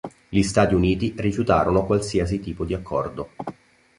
Gli Stati Uniti rifiutarono qualsiasi tipo di accordo.